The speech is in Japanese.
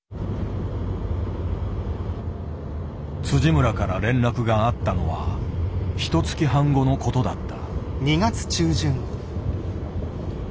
村から連絡があったのはひとつき半後のことだった。